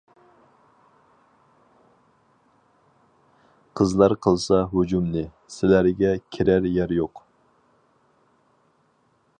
قىزلار قىلسا ھۇجۇمنى، سىلەرگە كىرەر يەر يوق.